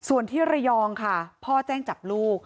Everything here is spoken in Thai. ส่วนที่ระยองค่ะพ่อแจ้งจับลูก